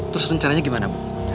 terus rencananya gimana bu